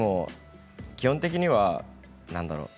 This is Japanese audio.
基本的には、何だろう